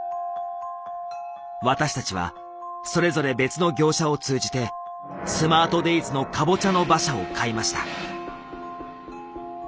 私たちはそれぞれ別の業者を通じてスマートデイズの「かぼちゃの馬車」を買いました。